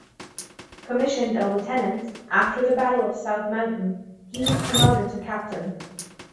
Commissioned a lieutenant, after the Battle of South Mountain he was promoted to captain.